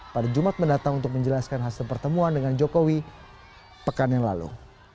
pada jumat mendatang untuk menjelaskan hasil pertemuan dengan jokowi pekan yang lalu